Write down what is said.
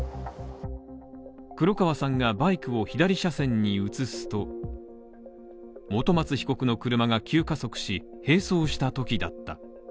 黒川さんがバイクを左車線に移すと、本松被告の車が急加速し、並走したときだった。